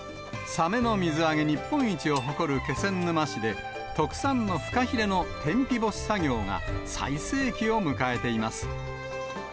サメの水揚げ日本一を誇る気仙沼市で、特産のフカヒレの天日干し作業が最盛期を迎えています。